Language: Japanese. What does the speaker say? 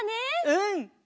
うん！